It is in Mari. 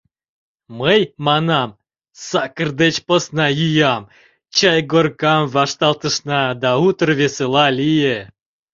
— Мый, — манам, — сакыр деч посна йӱам, — чайгоркам вашталтышна, да утыр весела лие.